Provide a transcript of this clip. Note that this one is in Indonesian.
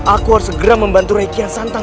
aku harus segera membantu rakyat santan